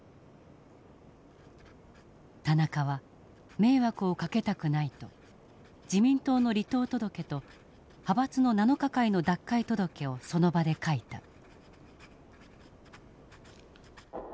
田中は迷惑をかけたくないと自民党の離党届と派閥の七日会の脱会届をその場で書いた。